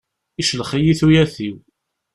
Iclex-iyi tuyat-iw.